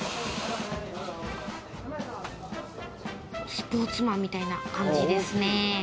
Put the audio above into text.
スポーツマンみたいな感じですね。